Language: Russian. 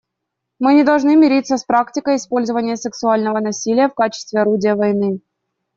Мы не должны мириться с практикой использования сексуального насилия в качестве орудия войны.